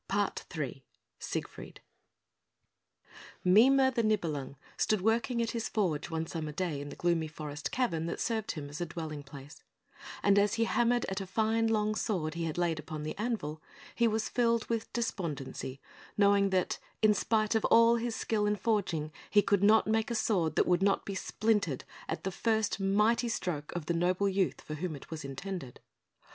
PART III SIEGFRIED Mime the Nibelung stood working at his forge one summer day in the gloomy forest cavern that served him as a dwelling place; and as he hammered at a fine long sword he had laid upon the anvil, he was filled with despondency, knowing that, in spite of all his skill in forging, he could not make a sword that would not be splintered at the first mighty stroke of the noble youth for whom it was intended.